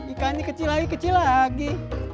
ikannya kecil lagi kecil lagi